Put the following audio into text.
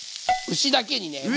牛だけにね。